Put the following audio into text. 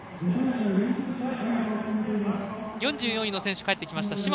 ４４位の選手が帰ってきました。